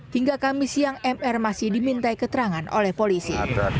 hingga kamis siang mr masih dimintai keterangan oleh polisi